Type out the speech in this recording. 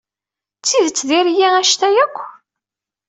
D tidet diri-iyi anect-a akk?